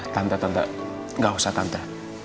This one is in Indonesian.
tante tante gak usah tante